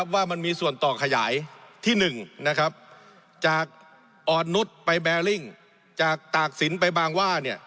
ว่ามันมีส่วนต่อขยายที่๑จากอ่อนนุษย์ไปแบริ่งจากตากศิลป์ไปบางว่า